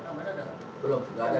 mari kita menunggu doang apapun aduh ya